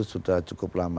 dan sudah cukup lama